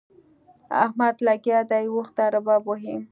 احمد لګيا دی؛ اوښ ته رباب وهي.